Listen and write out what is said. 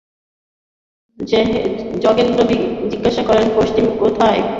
যোগেন্দ্র জিজ্ঞাসা করিল, পশ্চিমে কোথায়?